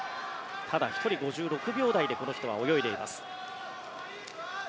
ただ１人、５６秒台でこの人は泳いでいます。